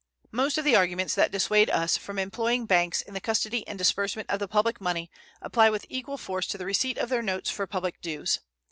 Most of the arguments that dissuade us from employing banks in the custody and disbursement of the public money apply with equal force to the receipt of their notes for public dues.